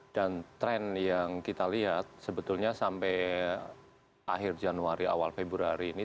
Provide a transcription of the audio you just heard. dan tren yang kita lihat sebetulnya sampai akhir januari awal februari ini